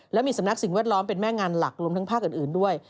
และมีสำนักสิ่งแวดล้อมเป็นแม่งานหลักรวมทั้งภาคอื่นด้วย